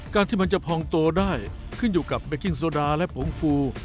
ที่มันจะพองโตได้ขึ้นอยู่กับเบกิ้งโซดาและผงฟู